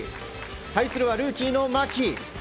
対するは、ルーキーの牧。